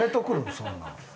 そんなん。